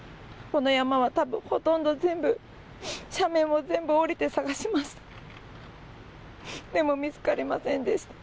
この山は、たぶん、ほとんど全部、斜面も全部下りて捜しました。